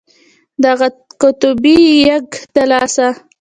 د اغه قطبي يږ د لاسه.